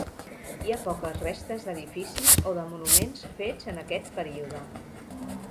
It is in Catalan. Hi ha poques restes d'edificis o de monuments fets en aquest període.